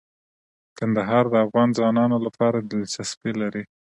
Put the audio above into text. کندهار د افغان ځوانانو لپاره دلچسپي لري.